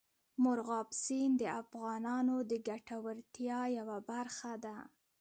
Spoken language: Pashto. مورغاب سیند د افغانانو د ګټورتیا یوه برخه ده.